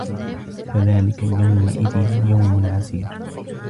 فَذلِكَ يَومَئِذٍ يَومٌ عَسيرٌ